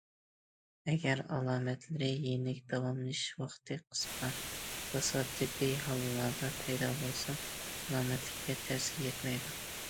ئەگەر ئالامەتلىرى يېنىك، داۋاملىشىش ۋاقتى قىسقا، تاسادىپىي ھاللاردا پەيدا بولسا، سالامەتلىككە تەسىر يەتمەيدۇ.